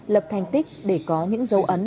lập thành tích để có những dấu ấn